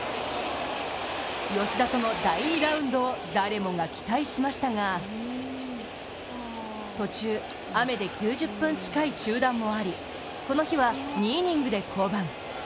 吉田との第２ラウンドを誰もが期待しましたが途中、雨で９０分近い中断もありこの日は２イニングで降板。